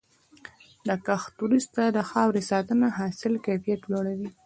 د کښت وروسته د خاورې ساتنه د حاصل کیفیت لوړوي.